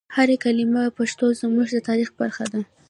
هر کلمه پښتو زموږ د تاریخ برخه ده.